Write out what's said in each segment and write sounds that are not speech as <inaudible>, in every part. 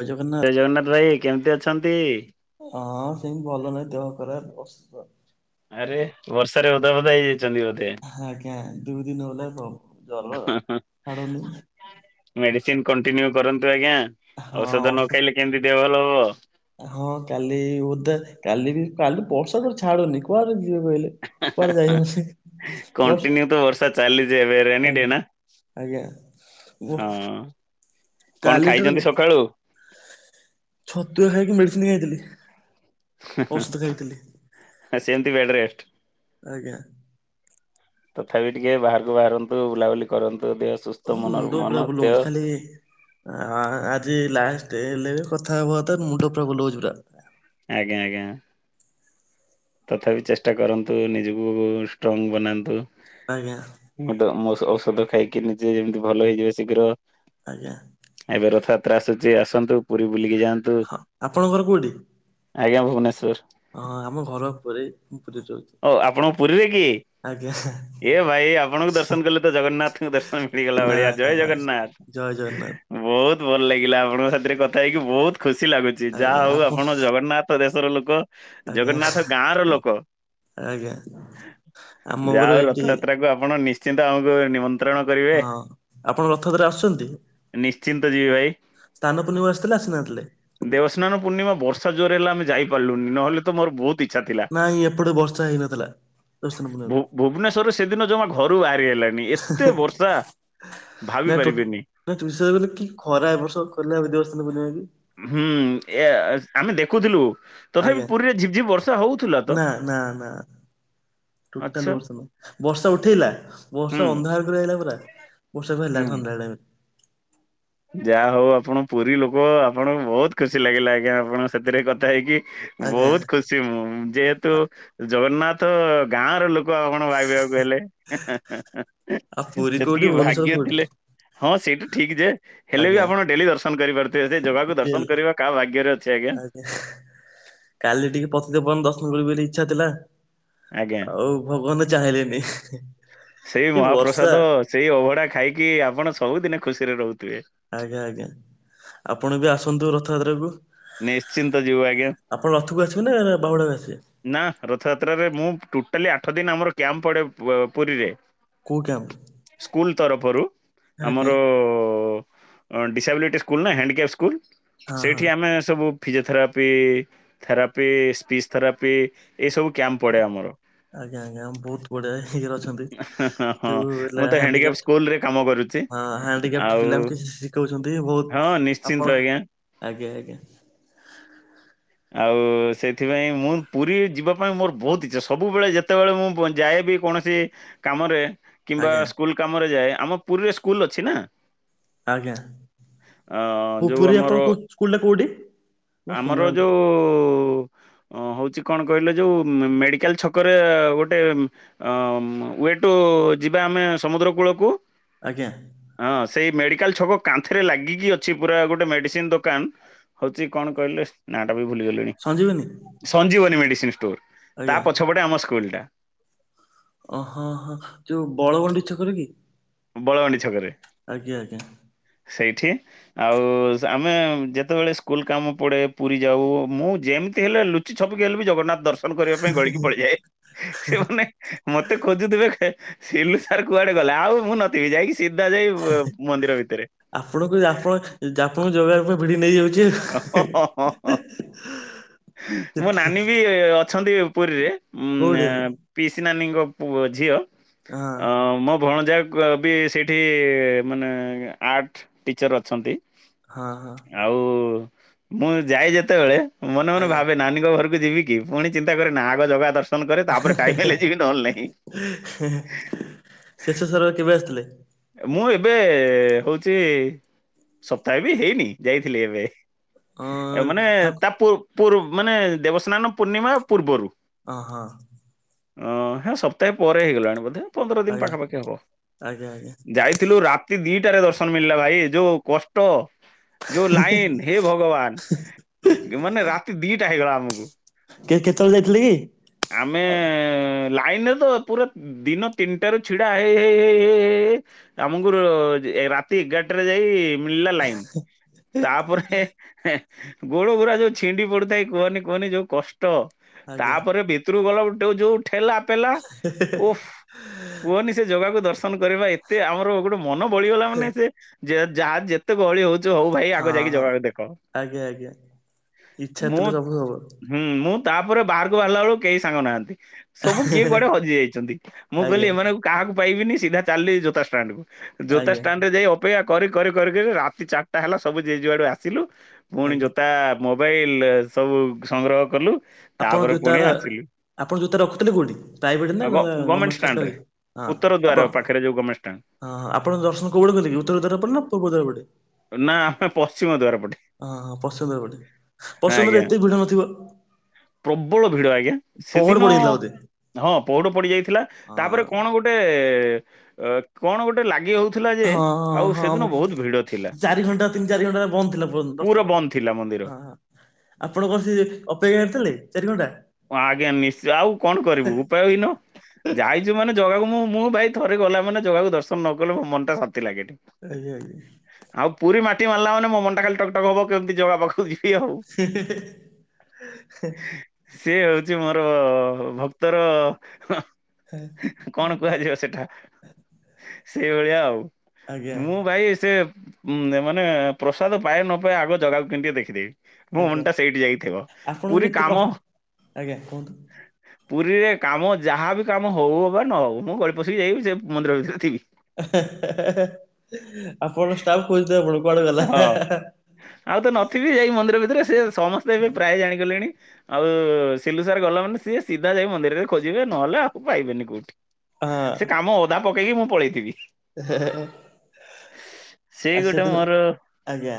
ଜୟ ଜଗନ୍ନାଥ। ଜଗନ୍ନାଥ ଭାଇ, କେମିତି ଅଛନ୍ତି? ହଁ ହଁ ସେମିତି ଭଲ ନାହିଁ ଦେହ ଖରାପ୍ ଅସୁସ୍ଥ। ଆରେ ବର୍ଷାରେ ଓଦା ଫୋଧା ହେଇଯାଇଛନ୍ତି ବୋଧେ? ଆଜ୍ଞା ଦୁଇ ଦିନ ହେଲା ପ ଜର ଛାଡୁନି। ମେଡିସିନ କଣ୍ଟିନ୍ୟୁ କରନ୍ତୁ ଆଜ୍ଞା। ହଁ ଔଷଧ ନ ଅସୁସ୍ଥ ଖାଇଲେ କେମିତି ଦେହ ଭଲ ହବ? ହଁ କାଲି ଓଦା, କାଲି ବି କାଲି ବର୍ଷା ତ ଛାଡୁନି, କୁଆଡେ ଯିବି କହିଲେ? କୁଆଡେ ଯାଇ ହଉନି ବର୍ଷ କଣ୍ଟିନ୍ୟୁ ତ ବର୍ଷା ଚାଲିଛି ଏବେ, ରେନି ଆଜ୍ଞା ଡେ ନା। ଆଜ୍ଞା। <unintelligible> ହଁ କଣ କାଲିଠାରୁ ଖାଇଚନ୍ତି ସକାଳୁ? ଛତୁଆ ଖାଇକି ମେଡ଼ିସିନ ଖାଇଥିଲି। ଔଷଧ ଖାଇଥିଲି ହେ ସେମତି ବେଡ୍ ରେଷ୍ଟ। ଆଜ୍ଞା। ତଥାବି ଟିକେ ବାହାରକୁ ବାହାରନ୍ତୁ ବୁଲାବୁଲି କରନ୍ତୁ ଦେହ ସୁସ୍ଥ ମନ ର ମନ ଦେହ। ଏ। ଆ ଆଜି ଲାଷ୍ଟେ ହେଲେ ବି କଥା ହବା କଥା ମୁଣ୍ଡ ପୁରା ବୁଲଉଚି ପୁରା। ଆଜ୍ଞା ଆଜ୍ଞା। ତଥାପି ଚେଷ୍ଟା କରନ୍ତୁ ନିଜକୁ ଷ୍ଟ୍ରଙ୍ଗ ବନାନ୍ତୁ। ଆଜ୍ଞା। ମୁଁ ତ ଔଷ ଔଷଧ ଖାଇକି ନିଜେ ଏମତି ଭଲ ହେଇଯିବ ଶୀଘ୍ର। ଆଜ୍ଞା। ଏବେ ରଥଯାତ୍ରା ଆସୁଚି ଆସନ୍ତୁ ପୁରୀ ବୁଲିକି ଯାଆନ୍। ହଁ ଆପଣଙ୍କ ଘର କୋଉଠି? ଆଜ୍ଞା ଭୁବନେଶ୍ଵର। ହଁ ଆମ ଘର ପୁରୀ ମୁଁ ପୁରୀରେ ରହୁଛି। ଓ ଆପଣଙ୍କ ପୁରୀରେ କି? ଆଜ୍ଞା। ଏ ଭାଇ ଆପଣଙ୍କୁ ଦର୍ଶନ କଲେ ତ ଜଗନ୍ନାଥଙ୍କୁ ଦର୍ଶନ ମିଳିଗଲା ନା ଭଳିଆ ନା ଜୟ ନା ଜଗନ୍ନାଥ। ଜୟ ଜଗନ୍ନାଥ। ବହୁତ୍ ଭଲ ଲାଗିଲା ଆପଣଙ୍କ ସାଥିରେ କଥା ହେଇକି ବହୁତ୍ ଖୁସି ଲାଗୁଛି ଯାହା ହଉ ଆପଣ ଜଗନ୍ନାଥ। ଙ୍କ ଦେଶର ଲୋକ ଆଜ୍ଞା ଜଗନ୍ନାଥ ଗାଁ ର ଲୋକ। ଆଜ୍ଞା। ଆମ ଘର ଯାହାହଉ ଏଇଠି ରଥଯାତ୍ରା କୁ ଆପଣ ନିଶ୍ଚିନ୍ତ ଆମୁକୁ ନିମନ୍ତ୍ରଣ। କରିବେ ହଁ ଆପଣ ରଥଯାତ୍ରାରେ ଆସୁଛନ୍ତି? ନିଶ୍ଚିନ୍ତ ଯିବି ଭାଇ। ସ୍ନାନ ପୂର୍ଣ୍ଣିମାକୁ ଆସଥିଲେ ଆସି ନ ଥିଲେ? ଦେବସ୍ନାନ ପୂର୍ଣ୍ଣିମା ବର୍ଷା ଜୋରେ ହେଲା ଆମେ ଯାଇପାରିଲୁନି ନହେଲେ ତ ମୋର ବହୁତ୍ ଇଚ୍ଛା ଥିଲା। ନାଇଁ ଏପଟେ ବର୍ଷା ହେଇନଥିଲା। ଦେବସ୍ନାନ ଭୁ ପୂର୍ଣ୍ଣିମାକୁ। ଭୁବନେଶ୍ୱରରୁ ସେଦିନ ଜମା ଘରୁ ବାହାରି ହେଲାନି ଏତେ ବର୍ଷା। ଭାବି ପାରିବେନି। ବିଶ୍ୱାସ କରିବେନି କି ଖରା ଏ ବର୍ଷ। <unintelligible> ହୁଁ ଏ ଆମେ ଦେଖୁଥିଲୁ ତଥାପି ଆଜ୍ଞା ପୁରୀରେ ଝିପ୍ ଝିପ୍ ବ ର୍ଷା ହଉଥିଲା। ତ ନା ନା ନା। ଟୋଟାଲ୍ ଆଚ୍ଛା ବର୍ଷା ନାହିଁ ବର୍ଷା ଉଠେଇଲା ହୁଁ ବର୍ଷା ଅନ୍ଧାର୍। ର ହେଇଗଲା ପୁରା ବର୍ଷା ବି ହେଲା ହୁଁ ସନ୍ଧ୍ୟାବେଳ ଟାଇମ୍। ଯାହା ହଉ ଆପଣ ପୁରୀ ଲୋକ ଆପଣଙ୍କୁ ବହୁତ୍ ଖୁସି ଲାଗିଲା ଆଜ୍ଞା ଆପଣଙ୍କ ସାଥିରେ କଥା ହେଇକି। ଆଜ୍ଞା ବହୁତ୍ ଖୁସି ମୁଁ ଯେହେତୁ ଜଗନ୍ନାଥ ଗାଁ ର ଲୋ କ ଆପଣ ଭାବିବାକୁ ହେଲେ ଆଉ ପୁରୀ କୋଉଠି ସେତିକି ଭୁବନେଶ୍ୱର ଭାଗ୍ୟ କୋଉଠି? ଥିଲେ। ହଁ ସେଇଟା ଠିକ୍ ଯେ। ହେଲେ ବି ଆଜ୍ଞା ଆପଣ ଡେଲି ଦର୍ଶନ କରିପାରୁଥିବେ ସେ ଜଗାକୁ ତେଲ ଦର୍ଶନ କରିବା କା ଭାଗ୍ୟରେ ଅଛି ଆଜ୍ଞା। କାଲି ଟିକେ ପତିତପାବନ ଦର୍ଶନ କରିବି ବୋଲି ଇଚ୍ଛା ଥିଲା। ଆଜ୍ଞା ଆଉ ଭଗବାନେ ଚାହିଁଲେନି ସେଇ କି ମହାପ୍ରସାଦ ବର୍ଷା। ସେଇ ଅଭଡା ଖାଇକି ଆପଣ ସବୁଦିନେ ଖୁସିରେ ରହୁଥିବେ। ଆଜ୍ଞା ଆଜ୍ଞା ଆପଣ ବି ଆସନ୍ତୁ ରଥଯାତ୍ରାକୁ। ନିଶ୍ଚିନ୍ତ ଯିବୁ ଆଜ୍ଞା। ଆପଣ ରଥକୁ ଆସିବେ ନା ବାହୁଡାରେ ଆସିବେ? ନା ରଥଯାତ୍ରାରେ ମୁଁ ଟୋଟାଲି ଆଠ ଦିନ ଆମର କ୍ୟାମ୍ପ ପଡେ ବ ପୁରୀରେ। କୋଉ କ୍ୟାମ୍ପ ସ୍କୁଲ ତରଫରୁ ଆଜ୍ଞା ଆମର। ଡିସାବିଲିଟି ସ୍କୁଲ୍ ନା ହ୍ୟାଣ୍ଡିକ୍ୟାପ୍ ସ୍କୁଲ୍ ହଁ ହଁ। ସେଇଠି ଆମେ ସବୁ। ଫିଜିଓଥେରାପି, ଥେରାପି, ସ୍ପିସ୍ ଥେରାପି ଏଇସବୁ କ୍ୟାମ୍ପ ପଡ଼େ ଆମର। ଆଜ୍ଞା, ଆଜ୍ଞା ବହୁତ ବଢିଆ ଇଏରେ ଅଛନ୍ତି କିନ୍ତୁ ହଁ ହେଲା ମୁଁ ତ ହ୍ୟାଣ୍ଡି ହ୍ୟାଣ୍ଡିକ୍ୟାପ୍ କ୍ୟାଫ୍ଟ ସ୍କୁଲରେ କାମ କରୁଛି ହଁ ହାଣ୍ଡିକ୍ୟାପଟ ଆଉ ପିଲା କିଛି ଶିଖଉଛନ୍ତି ହଁ ବହୁତ ନିଶ୍ଚିନ୍ତ ଆପଣ ଆଜ୍ଞା। ଆଜ୍ଞା ଆଜ୍ଞା। ଆଉ ସେଥିପାଇଁ ମୁଁ ପୁରୀ ଯିବା ପାଇଁ ମୋର ବହୁତ ଇଚ୍ଛା ସବୁବେଳେ ଯେତେବେଳେ ମୁଁ ବ ଯାଏ ବି କୌଣସି କାମରେ କିମ୍ବା ଆଜ୍ଞା ସ୍କୁଲ କାମରେ ଯାଏ ଆମ ପୁରୀରେ ସ୍କୁଲ ଅଛି ନା। ଆଜ୍ଞା ଅ ପୁ ଯୋଉ ପୁରୀ ଆମର ଆପଣ ସ୍କୁଲଟା କୋଉଠି ମୋ ଶୁନା ଉ ହଉଛି କଣ କହିଲେ ଯୋଉ ମେଡିକାଲ ଛକରେ ଗୋଟେ। ଆଁମ୍ ୱେଟୋ ଯିବା ଆମେ ସମୁଦ୍ର କୂଳକୁ। ଆଜ୍ଞା। ହଁ ସେଇ ମେଡ଼ିକାଲ ଛକ କାନ୍ଥରେ ଲାଗିକି ଅଛି ପୁରା ଗୋଟେ ମେଡ଼ିସିନ ଦୋକାନ। ହଉଛି କଣ କହିଲେ। ନା ଟା ବି ଭୁଲିଗଲିଣି ସଞ୍ଜୀବନୀ ସଞ୍ଜୀବନୀ ମେଡିସିନ ଷ୍ଟୋର ତା ଆଜ୍ଞା। ପଛପଟେ ଆମ ସ୍କୁଲ ଟା। ଓହ ହଁ ଯୋଉ ବଳ ଗଣ୍ଡି ଛକରେ କି? ବଳବଣ୍ଡି ଛକରେ। ଆଜ୍ଞା ଆଜ୍ଞା। ସେଇଠି। ଆଉ ଆମେ ଯେତେବେଳେ ସ୍କୁଲ କାମ ପଡେ ପୁରୀ ଯାଉ ମୁଁ ଯେମିତି ହେଲେ ଲୁ ଚି ଛପିକି ହେଲେ ବି ଜଗନ୍ନାଥ ଦର୍ଶନ କରିବା ପାଇଁ ଗଳିକି ପଳେଇଯାଏ ସେମାନେ। ମତେ ଖୋଜୁଥିବେ ସିଲୁ ସାର୍ କୁଆଡେ ଗଲେ ଆଉ ମୁଁ ନ ଯାଇକି ସିଧା ଯାଇ ମନ୍ଦିର ଭିତେରେ। ଆପଣଙ୍କୁ ଆପଣ ଆପଣଙ୍କୁ ଯୋଗା ପାଇଁ ପଡ଼ି ନେଇ ଯାଉଛେ ହେ ମୋ ନାନୀ ବି ଅଛନ୍ତି ପୁରୀରେ ଉଁ କୋଉଠି ହଁ ପିଇସି ନାନୀଙ୍କ ଝିଅ ଅ ମୋ ଭଣଜା। ବି ସେଇଠି ମାନେ ଆର୍ଟ ଟିଚର୍ ଅଛନ୍ତି। ହଁ ହଁ। ଆଉ ମୁଁ ଯାଇ ଯେତେବେଳେ ମନେ ମନେ ଆଜ୍ଞା। ଭାବେ। ନାନୀଙ୍କ ଘରକୁ ଯିବି କି ପୁଣି ଚିନ୍ତା କରେ ନା ଆଗ ଜଗା ଦର୍ଶ ନ କରେ ତାପରେ ଟାଇମ ହେଲେ ଯିବ ନହେଲେ ନାହିଁ। ଶେଷ ଥର କେବେ ଆସିଥିଲେ। ମୁଁ ଏବେ ହଉଚି ସପ୍ତାହେ ବି ହେଇନି ଯାଇଥିଲି ଏବେ। ଅଁ ମାନେ ଠାକୁ ତା ପୁ ପୂର ମାନେ ଦେବସ୍ନାନ ପୂର୍ଣ୍ଣିମା ପୂର୍ବରୁ। ଅ ହଁ। ହଁ ହେରା ସପ୍ତାହେ ପରେ ହେଇଗଲାଣି ବୋଧେ। ପନ୍ଦର ଦିନ ଆଜ୍ଞା ପାଖାପାଖି ହବ ଆଜ୍ଞା ଆଜ୍ଞା। ଯାଇଥିଲୁ ରାତି ଦିଟାରେ ଦର୍ଶନ ମିଳିଲା ଭାଇ ଏ ଯୋଉ କଷ୍ଟ ଯୋଉ ଲାଇନ। ହେ ଭଗବାନ ମାନେ ରାତି ଦିଟା ହେଇଗଲା ଆମକୁ। କେ କେତେବେଳେ ଯାଇଥିଲେ କି? ଆମେ। ଲାଇନରେ ତ ପୁରା ଦିନ ତିନିଟାରୁ ଛିଡା ହେଇ ହେଇ ହେଇ ହେଇ। ଆମକୁରୁ ଯେ ରାତି ଏଗାରଟାରେ ଯାଇ ମିଳିଲା ଲାଇନ ତାପରେ ହେଁ ଗୋଡ଼ ଗୁୁରା ଯୋଉ ଛିଣ୍ଡି ପଡ଼ୁଥାଏ କୁହନି କୁହନି ଯୋଉ କଷ୍ଟ ଆଜ୍ଞା ତାପରେ ଭି ତୁରୁକୁ ଗଲା ବେଳୁ ଟୋଉ ଯୋଉ ଠେଲା ପେଲା ଓଫ୍ କୁହନି ସେ ଜାଗାକୁ ଦର୍ଶନ କରିବା ଏତେ ଆମର ଗୋଟେ ମନ ବଳିଗଲା ମାନେ ସେ ଯେ ଯାହା ଯେତେ ଗହଳି ହଉ ଚି ହୋଉ ଭାଇ ଆଗ ହଁ ଯାଇକି ହଁ ଜଗା କୁ ଦେଖ ଆଜ୍ଞା ଆଜ୍ଞା। ଇଚ୍ଛା ମୁଁ ଥିଲେ ସବୁ ହବ ହୁଁ ମୁଁ ତାପରେ ବାହାରକୁ ବାହାରିଲା ବେଳକୁ କେହି ସାଙ୍ଗ ନାହାନ୍ତି। ସବୁ କିଏ କୁଆଡ଼େ ହଜି ଯାଇଛନ୍ତି ମୁଁ କହିଲି ଆଜ୍ଞା ଏମାନଙ୍କୁ କାହାକୁ ପାଇବିନି ସିଧା ଚାଲିଲି ଜୋତା ଷ୍ଟାଣ୍ଡ କୁ। ଜୋତା ଆଜ୍ଞା ଷ୍ଟାଣ୍ଡ ରେ ଯାଇ ଅପେକ୍ଷା କରି କରି କରି କରି ରାତି ଚାରିଟା ହେଲା ସବୁ ଯିଏ ଯଆଡ଼ୁ ଆସିଲୁ। ପୁଣି ଆଜ୍ଞା। ଜୋତା ମୋବାଇଲ ସବୁ ସଂଗ୍ରହ କଲୁ। ଆପଣ ତାପରେ ଯୋଉ ପୁଣି ତାର ଆସିଲୁ ଆପଣ ଯୋତା ରଖୁଥିଲେ କୋଉଠି ପ୍ରାଇଭେଟ ନା ଗଭର୍ଣ୍ଣମେଣ୍ଟ ଗର୍ମେଣ୍ଟ ସରକାରୀ ଷ୍ଟାଣ୍ଡରେ ଇଏ ହଁ ଉତ୍ତର ଦ୍ୱାର ଆପଣ ପାଖରେ ଯୋଉ ଗଭର୍ଣ୍ଣମେଣ୍ଟ ଷ୍ଟାଣ୍ଡ। ହଁ ଆପଣ ଦର୍ଶନ କୋଉ ପଟେ କଲେ ଉତ୍ତର ଦ୍ୱାର ପଟେ ନା ପୂର୍ବ ଦ୍ୱାର ପଟେ? ନା ଆମେ ପଶ୍ଚିମ ଦ୍ୱାର ପଟେ। ଅଁ ହଁ ହଁ ପଶ୍ଚିମ ଦ୍ଵାର ପଟେ ପଶ୍ଚିମ ଆଜ୍ଞା ଦ୍ଵାର ଏତେ ବି ଭିଡ଼ ନ ଥିବା। ପ୍ରବଳ ଭିଡ଼ ଆଜ୍ଞା ପହଡ ସେଦିନ ପଡିଯାଇଥିଲା ବୋଧେ ହଁ ପହଡ଼ ପଡ଼ିଯାଇଥିଲା ତାପରେ ହଁ କଣ ଗୋ ବେ ଅ କଣ ଗୋଟେ ଲାଗି ହୋଉଥ ଥିଲା ଯେ ହଁ ଆଉ ହଁ ସେଦିନ ମୁଁ ବହୁତ ଭିଡ଼ ଥିଲା ଚାରି ଘଣ୍ଟା ତିନି ଚାରି ଘଣ୍ଟା ବନ୍ଦ ଥିଲା ପୁରା ଦର୍ଶନ ବନ୍ଦ ଥିଲା ମନ୍ଦିର। ହଁ <unintelligible> ଆପଣ କଣ ସେ <unintelligible> ଅପେକ୍ଷାରେ ଥିଲେ ଚାରି ଘଣ୍ଟା? ହଁ ଆଜ୍ଞା ନିଶ୍ଚୟ ଆଉ କଣ କରିବୁ ଉପାୟ ହିନ। ଯାଇଛୁ ମାନେ ଜଗାକୁ ମୁଁ ମୁଁ ଭାଇ ଥରେ ଗଲା ମାନେ ଜଗାକୁ ଦର୍ଶନ ନ କଲେ ମୋ ମନ ଟା ଶାନ୍ତି ଲାଗେନି। ଆଜ୍ଞା ଆଜ୍ଞା। ଆଉ ପୁରୀ ମାଟି ମାରିଲା ମାନେ ମୋ ମନଟା ଖାଲି ଟକଟକ ହବ କେମିତି ଜଗା ପାଖକୁ ଯିବି। ଇଏ ହଉ। ସେ ହୋଉଛି ମୋର ଭକ୍ତର ହା। କଣ କୁହାଯିବ ସେଟା? ସେଇଭଳିଆ ଆଉ ଆଜ୍ଞା ମୁଁ ଭାଇ ସେ ହୁଁ ନାଇଁ ମାନେ ପ୍ରସାଦ ପାଏ ନ ପାଏ ଆଗ ଜଗାକୁ କେମିତି ଟିକେ ଦେଖିଦେବି। ମୋ ଆଜ୍ଞା ମନ ଟା ସେଇଠି ଯାଇ କି ଥିବ ଆପଣଙ୍କୁ ପୁରୀ ଏତେ କାମ କଷ୍ଟ ଆଜ୍ଞା କୁହନ୍ତୁ। ପୁରୀରେ କାମ ଯାହାବି କାମ ହଉ ଅବା ନ ହଉ ମୁଁ ଗଳି ପଶିକି ଯାଇକି ସେ ମନ୍ଦିର ଭିତରେ ଥିବି। ହା ହା ହା ହା ଆପଣ ଷ୍ଟାଫ ଖୋଜୁଥିବେ ପୁଣି କୁଆଡ଼େ ଗଲା ହା ହଁ ହା ହା। ଆଉ ତ ନଥିବି ଏଇ ମନ୍ଦିର ଭିତରେ ସେ ସମସ୍ତେ ଏବେ ପ୍ରାୟ ଜାଣି ଗଲେଣି। ଆଉ ଏ ସିଲୁସାର ଗଲା ମାନେ ସିଏ ସିଧା ଯାଇ ମନ୍ଦିରରେ ଖୋଜିବେ ନହେଲେ ଆକୁ ପାଇବେନି କୋଉଠି। ସେ କାମ ଅଧା ପକେଇକି ମୁଁ ପଳେଇଥିବି। ହେ ହେ ହେ ସେଇ ଆ ଗୋଟେ ସେଦିନ ମୋର ଆଜ୍ଞା।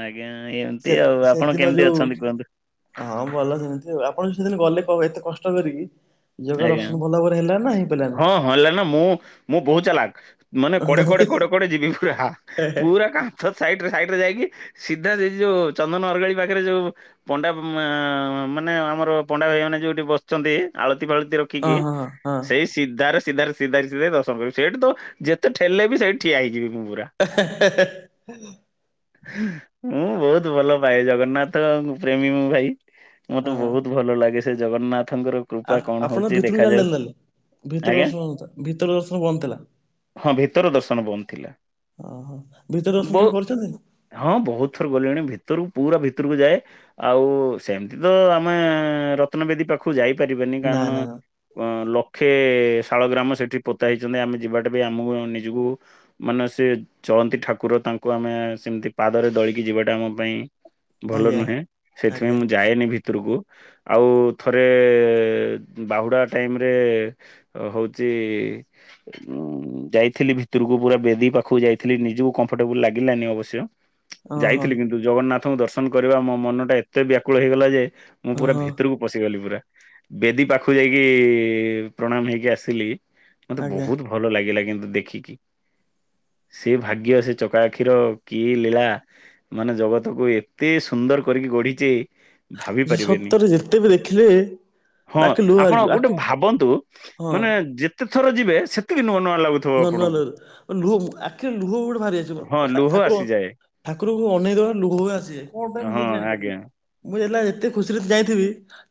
ଆଜ୍ଞା ସେ ଏମିତି ଆଉ ଆପଣ ସେଦିନ କେମିତି ଯୋଉ ଅଛନ୍ତି କୁହନ୍ତୁ? ହଁ ଭଲ ସେମିତି ଆଉ ଆପଣ ସେଦିନ ଗଲେ କଣ ପାଇଁ ଏତେ କଷ୍ଟ କରିକି? ଜଗା ଆଜ୍ଞା। ଦର୍ଶନ ଭଲ ଭାବରେ ହେଲାନା ହେଇ ପାରିଲାନି? ହଁ ହଁ ହେଲା ନା ମୁଁ ମୁଁ ବହୁତ ଚାଲାକ ମାନେ କଡ଼େ କଡ଼େ କଡ଼େ କଡ଼େ ଯିବି ପୁରା ପୁରା କା ତ ସାଇଟିରେ ସାଇଟିରେ ଯାଇକି ସିଧା ସେଇଟି ଯୋଉ ଚନ୍ଦନ ଅରଗାଳି ପାଖରେ ଯୋଉ ପଣ୍ଡା ମା ମାନେ ଆମର ପଣ୍ଡା ଭାଇ ମାନେ ଯୋଉଠି ବସିଛନ୍ତି ଆଳ ତି ଫାଳତି ରଖିକି ହଁ ହଁ ହଁ ସେଇ ସିଧାରେ ସିଧାରେ ସିଧାରେ ସିଧାରେ ଦର୍ଶନ କରିବି ସେଠି ତ ଯେତେ ଠେଲିଲେ ବି ସେଇଠି ଠିଆ ହେଇଯିବି ମୁଁ ପୁରା। ହେ ହେ। ମୁଁ ବହୁତ ଭଲ ପାଏ ଜଗନ୍ନାଥ ପ୍ରେମୀ ମୁଁ ଭାଇ। ମତେ ହଁ ବହୁତ ଭଲ ଲାଗେ ସେ ଜଗନ୍ନାଥଙ୍କର ଆ କୃପା କଣ ଆପଣ ତ ହଉଛି ଦେଖାଯାଉ ଭିତରକୁ <unintelligible> ଭିତର ଆଜ୍ଞା ଦର୍ଶନ ଭିତର ଦର୍ଶନ ବନ୍ଦ ଥିଲା। ହଁ ଭିତର ଦର୍ଶନ ବନ୍ଦ ଥିଲା। ଓହୋ ଭିତରଦର୍ଶନ ବହୁ କେବେ କରିଛନ୍ତି? ହଁ ବହୁତ ଥର ଗଲେଣି ଭିତରକୁ ପୁରା ଭିତରକୁ ଯାଏ ଆଉ ସେମତି ତ ଆମେ ରତ୍ନବେଦୀ ପାଖକୁ ଯାଇପାରିବ ନା କାରଣ ନା ନା ଅ ଲକ୍ଷେ ଶାଳ ଗ୍ରାମ ସେଠି ପୋତା ହେଇଛନ୍ତି ଆମେ ଯିବାଟା ବି ଆମକୁ ନିଜକୁ ମାନେ ସେ ଚଳନ୍ତି ଠାକୁର ତାଙ୍କୁ ଆମେ ସେମିତି ପାଦରେ ଦଳିକି ଯିବାଟା ଆମ ପାଇଁ ଭଲ ଆଜ୍ଞା ନୁହେଁ ସେଥିପାଇଁ ଆଜ୍ଞା ମୁଁ ଯାଏନି ଭିତ ଭିତରକୁ ଆଉ ଥରେ ବାହୁଡ଼ା ଟାଇମରେ ହଉଚି ଉଁ ଯାଇଥିଲି ଭିତରକୁ ପୁରା ବେଦୀ ପାଖକୁ ଯାଇଥିଲି ନିଜକୁ କମ୍ଫର୍ଟେବୁଲ ଲାଗିଲାନି ଅବଶ୍ୟ ଓହୋ ଯାଇଥିଲି କିନ୍ତୁ ଜଗନ୍ନାଥଙ୍କୁ ଦର୍ଶନ କରିବା ମୋ ମନ ଟା ଏତେ ବ୍ୟାକୁଳ ହେଇଗଲା ଯେ ମୁଁ ପୁରା ଓହୋ ଭିତରକୁ ବଶିଗଲି ପୁରା ବେଦୀ ପାଖକୁ ଯାଇକି ପ୍ରଣାମ ହେଇକି ଆସିଲି ମତେ ଆଜ୍ଞା। ବହୁତ ଭଲ ଲାଗିଲା କିନ୍ତୁ ଦେଖିକି। ସେ ଭାଗ୍ୟ ସେ ଚକା ଆଖିର କିଏ ଲୀଳା ମାନେ ଜଗତକୁ ଏତେ ସୁନ୍ଦର କରିକି ଗଢିଛେ। ଯେ ସତରେ ଯେତେ ବି ଦେଖିଲେ ହଁ ବାକି ଲୁ ଆପଣ ଗୋଟେ ଭାବନ୍ତୁ ମାନେ ଯେତେ ଥର ଯିବେ ସେତିକି ନୂଆ ନୂଆ ଲାଗୁ ନୂଆ ନୂଆ ଲୁହ ଆଖିର ଲୁହ ଗୋଟେ ଭାରିଆସିବ ହଁ ଲୁହ ଠାକୁର ଆସିଯାଏ ଠାକୁରଙ୍କୁ ଅନେଇ ଦେଲେ ଲୁହ ଭାସି ଯାଏ କଣ ପାଇଁ ହଁ ମୁଁ ଆଜ୍ଞା ଜାଣିପାରୁନି। ମୁଁ ଏଲା ଏତେ ଖୁସିରେ ଯାଇଥିବି।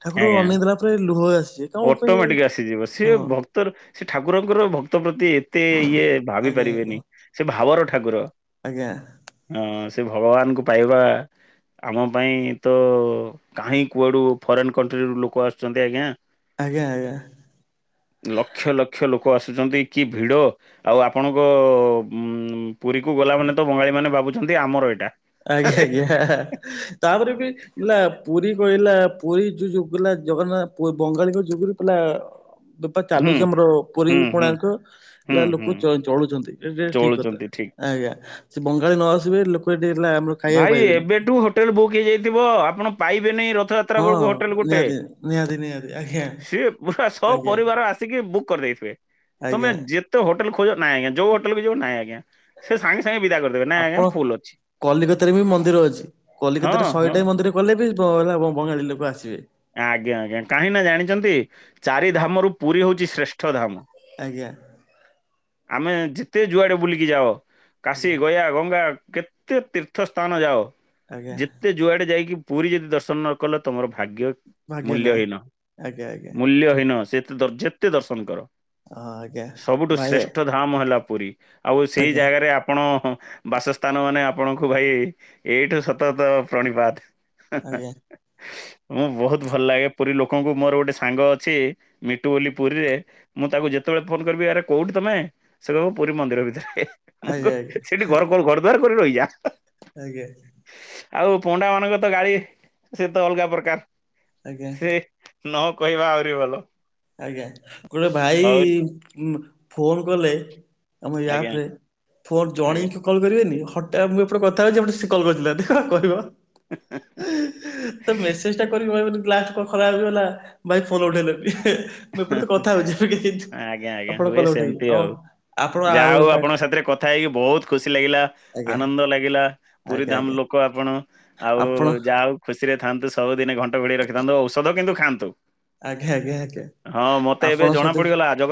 ଠାକୁର ଆଜ୍ଞା। ଅନେଇ ଦେଲା ପରେ ଲୁହ ଆସଛି କଣ ପାଇଁ ହଁ। ତର ସେ ଠାକୁରଙ୍କର ଭକ୍ତ ପ୍ରତି ଏତେ ଇଏ ଭାବି ଆଜ୍ଞା ଆଜ୍ଞା ପାରିବେନି। ସେ ଭାବର ଠାକୁର। ଆଜ୍ଞା। ହଁ ସେ ଭଗବାନଙ୍କୁ ପାଇବା ଆମ ପାଇଁ ତ କାହିଁ କୁଆଡୁ ଫରେନ କଣ୍ଟ୍ରିରୁ ଲୋକ ଆସୁଛନ୍ତି ଆଜ୍ଞା। ଆଜ୍ଞା ଆଜ୍ଞା। ଲକ୍ଷ ଲକ୍ଷ ଲୋକ ଆସୁଛନ୍ତି କି ଭିଡ଼ ଆଉ ଆପଣଙ୍କ ପୁରୀକୁ ଗଲା ମାନେ ତ ବଙ୍ଗାଳୀମାନେ ଭାବୁଛନ୍ତି ଆମର ଏଇଟା। ଆଜ୍ଞା ଆଜ୍ଞା ତାପରେ ବି ବୁଲା ପୁରୀ କହିଲା ପୁରୀ ଯୋଉ ଯୁଗଲା ଜଗନ୍ନାଥ ବଙ୍ଗାଳୀଙ୍କ ଯୁଗରେ ପିଲା ବେପାର ହୁଁ ଚାଲୁଛି ଆମର ପୁରୀ ହୁଁ ହୁଁ କୋଣକ ହୁଁ ହେଲା ହୁଁ ଲୋକ ଚଳୁଛନ୍ତି ଏଟ ଠିକ କଥା। ଚଳୁଛନ୍ତି ଠିକ ଆଜ୍ଞା ସେ ବଙ୍ଗାଳୀ ନ ଆସିବେ ଲୋକ ଏଠି ହେଲା ଆମର। ଖାଇବାକୁ ଭାଇ ପାଇବେନି। ଏବେଠୁ ହୋଟେଲ ବୁକ୍ ହେଇଯାଇଥିବ ଆପଣ ପାଇବେନି ର ରଥ ଯାତ୍ରା ହଁ ବେଳକୁ ହୋଟେଲ ଗୋଟେ ନିହାତି ନିହାତି ନିହାତି ଆଜ୍ଞା ସିଏ ପୁରା ସ ଆଜ୍ଞା ପରିବାର ଆସ ଆଶିକ୍କ ବୁକ୍ କରିଦେଇଥିବେ ତମେ ଆଜ୍ଞା ଯେତେ ହୋଟଲ ଖୋଜା ନାାଇଁ ଆଜ୍ଞା ଯୋଉ ହୋଟଲକୁ ଯିବ ନାାଇଁ ଆଜ୍ଞା। ସେ ସାଙ୍ଗେ ସାଙ୍ଗେ ବିଦା କରିଦବେ ନାଇଁ ଆଜ୍ଞା ଆପଣ ଫୁଲ ଅଛି। କଲିକତାରେ ବି ମନ୍ଦିର ଅଛି ହଁ କଲିକତାରେ ହଁ ଶହେଟା ମନ୍ଦିର କଲେ ବି ବଙ୍ଗାଳୀ ଲୋକ ଆସିବେ। ଆଜ୍ଞା ଆଜ୍ଞା କାହିଁ ନା ଜାଣିଛନ୍ତି ଚାରି ଧାମ ର ପୁରୀ ହଉଛି ଶ୍ରେଷ୍ଠ ଧାମ। ଆଜ୍ଞା। ଆମେ ଯେତେ ଯୁଆଡେ ବୁଲିକି ଯାଅ କାଶୀ, ଆଜ୍ଞା ଗୟା, ଗଙ୍ଗା କେ ତେ ତୀର୍ଥ ସ୍ଥାନ ଯାଅ, ଆଜ୍ଞା ଯେ ତେ ଯୁଆଡେ ଯାଇକି ପୁରୀ ଯଦି ଦର୍ଶନ ନ କଲ ତମର ଭାଗ୍ୟ ଭାଗ୍ୟ ନାହିଁ ମୂଲ୍ୟହୀନ। ଆଜ୍ଞା ଆଜ୍ଞା। ମୂଲ୍ୟ ହୀନ ସେ ଯେତେ ଦର୍ଶନ କର। ହଁ ଆଜ୍ଞା ସବୁଠୁ ଭାଇ ଶ୍ରେଷ୍ଠ ଧାମ ହେଲା ପୁରୀ। ଆଉ ସେଇ ଆଜ୍ଞା ଜାଗାରେ ଆପଣ ବାସସ୍ଥାନ ମାନେ ଆପଣଙ୍କୁ ଭାଇ ଏଇଠୁ ସତତ ପ୍ରଣିପାତ୍। ଆଜ୍ଞା ମୁଁ ବହୁତ୍ ଭଲ ଲାଗେ। ପୁରୀ ଲୋକଙ୍କୁ, ମୋର ଗୋଟେ ସାଙ୍ଗ ଅଛି ମିଟୁ ବୋଲି ପୁରୀରେ ମୁଁ ତାକୁ ଯେତେବେଳେ ଫୋନ କରିବି ଆରେ କୋଉଠି ତମେ, ସେ କହିବ ପୁରୀ ମନ୍ଦିର ଭିତରେ। ମୁଁ ଆଜ୍ଞା କହିବି ସେଠି ଘର ଘର ଦ୍ୱାର କରି ରହିଯା। ଆଜ୍ଞା। ଆଉ ପଣ୍ଡା ମାନଙ୍କର ତ ଗାଳି ସେ ତ ଅଲଗା ଆଜ୍ଞା ପ୍ରକାର। ସେ ନ କହିବା ଆହୁରି ଭଲ। ଆଜ୍ଞା। ଗୋଟେ ଭାଇ ହଉ ଫୋନ୍ କଲେ ଆମ ଏଇ ଆଜ୍ଞା ଆପ୍ ରେ ଫୋନ୍ ଆଜ୍ଞା ଜଣେଇକି କଲ୍ କରିବେନି, ହଠା ମୁଁ ଏପଟେ କଥା ହଉଚି ଏପଟ ସେ କଲ୍ କରିଦେଲା। କଣ କହିବ। <unintelligible> ତ ମେସେଜ୍ ଟା କରି କହିବନି ଲାଷ୍ଟ କୁ କଣ ଖରାପ ହେଇଗଲା ଭାଇ ଫୋନ୍ ଉଠେଇଲନି। ମୁଁ ଏପଟେ ତ କଥା ହଉଚି। ଆଜ୍ଞା ଆଜ୍ଞା ଆପଣ ଆଉ ହୁଏ କଲ ଉଠେଇବି। ସେମିତି ଆଉ ଆପଣ ଯାହା ଆଉ ହଉ କା ଆପଣଙ୍କ ସାଥିରେ କଥା ହେଇକି ବହୁତ୍ ଖୁସି ଲାଗିଲା, ଆନନ୍ଦ ଲାଗିଲା। ପୁରୀ ଆଜ୍ଞା ଧାମ ଆଜ୍ଞା ଲୋକ ଆପଣ। ଆଉ ଆପଣ ଯା ଆଉ ଖୁସିରେ ଥାନ୍ତୁ, ସବୁ ଦିନ ଘଣ୍ଟ ଘୋଡେଇ ରଖିଥାନ୍ତୁ ଔଷଧ କିନ୍ତୁ ଖାଆନ୍ତୁ। ଆଜ୍ଞା ଆଜ୍ଞା ଆଜ୍ଞା। ହଁ ମତେ ଏବେ ଆପଣଙ୍କ ଜଣା ସହିତ ପଡିଗଲା। ଜଗ